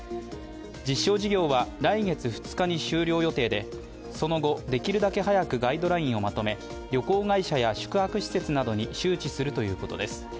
実証事業は、来月２日に終了予定で、その後できるだけ早くガイドラインをまとめ、旅行会社や宿泊施設などに周知するということです。